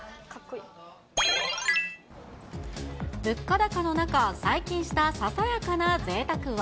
物価高の中、最近したささやかなぜいたくは？